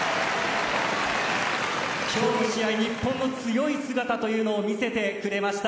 今日の試合、日本の強い姿を見せてくれました。